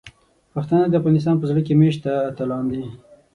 پښتانه د افغانستان په زړه کې میشته اتلان دي.